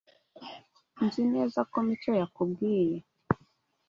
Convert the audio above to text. Nzi neza ko Mico yakubwiye